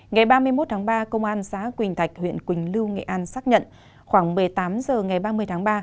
ngày ba mươi một tháng ba công an xã quỳnh thạch huyện quỳnh lưu nghệ an xác nhận khoảng một mươi tám h ngày ba mươi tháng ba